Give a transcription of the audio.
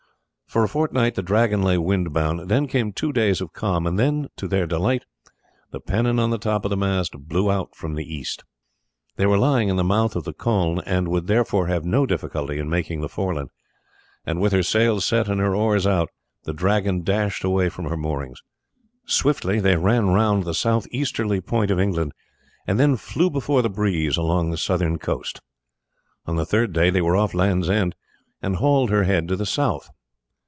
For a fortnight the Dragon lay windbound; then came two days of calm; and then, to their delight, the pennon on the top of the mast blew out from the east. They were lying in the mouth of the Colne, and would therefore have no difficulty in making the Foreland; and with her sail set and her oars out the Dragon dashed away from her moorings. Swiftly they ran round the south easterly point of England and then flew before the breeze along the southern coast. On the third day they were off Land's End and hauled her head to the south.